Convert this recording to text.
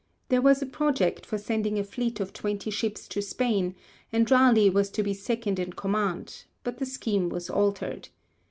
There was a project for sending a fleet of twenty ships to Spain, and Raleigh was to be second in command, but the scheme was altered.